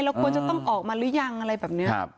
ควรจะต้องออกมาหรือยังอะไรแบบนี้